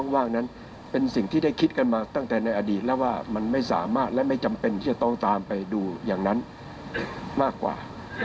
ว่ามันไม่สามารถและไม่จำเป็นที่จะต้องตามไปดูอย่างนั้นมากกว่า